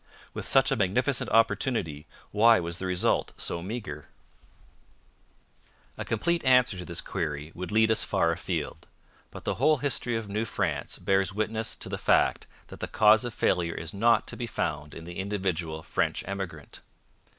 With such a magnificent opportunity, why was the result so meagre? A complete answer to this query would lead us far afield, but the whole history of New France bears witness to the fact that the cause of failure is not to be found in the individual French emigrant.